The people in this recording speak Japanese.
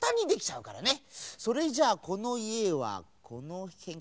それじゃあこのいえはこのへんかな。